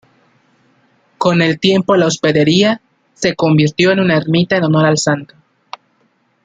Con el tiempo la hospedería se convirtió en una ermita en honor al Santo.